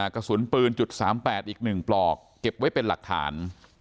กระสุนปืน๓๘อีก๑ปลอกเก็บไว้เป็นหลักฐาน